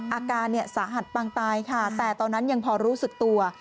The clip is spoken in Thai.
อาการสาหัสปางตายค่ะแต่ตอนนั้นยังพอรู้สึกตัว